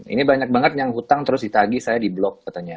ini banyak banget yang hutang terus ditagi saya di blok katanya